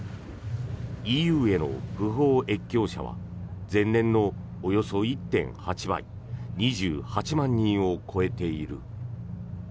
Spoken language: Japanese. ＥＵへの不法越境者は前年のおよそ１．８倍２８万人を超えている。